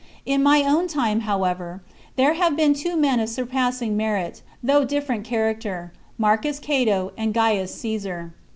In my own time, however, there have been two men of surpassing merit, though different character — Marcus Cato and Gaius Caesar.